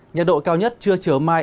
nhiệt độ cao nhất chưa chờ mai